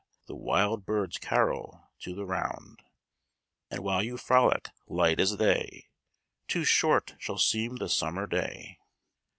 The wild birds carol to the round, And while you frolic light as they, Too short shall seem the summer day."